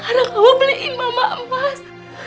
sekarang kamu beliin mama emas